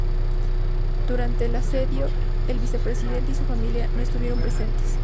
Durante el asedio, el vicepresidente y su familia no estuvieron presentes.